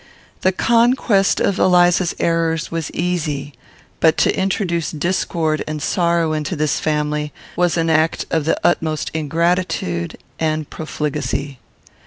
The conquest of Eliza's errors was easy; but to introduce discord and sorrow into this family was an act of the utmost ingratitude and profligacy.